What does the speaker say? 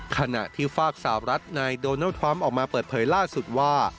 ขณะที่ฝากสาวรัฐในโดนัลดทรัมป์ออกมาเปิดเผยล่าสุดว่า